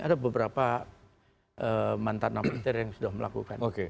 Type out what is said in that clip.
ada beberapa mantanam terima kasih yang sudah melakukan